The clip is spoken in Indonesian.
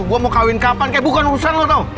gue mau kawin kapan kayak bukan urusan lo tau